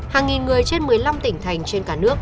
hàng nghìn người trên một mươi năm tỉnh thành trên cả nước